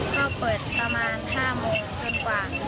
ก็เปิดประมาณ๕โมงเต็มกว่า